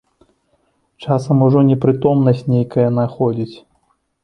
Часам ужо непрытомнасць нейкая находзіць.